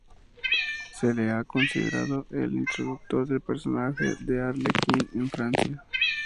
Se le ha considerado el introductor del personaje de Arlequín en Francia.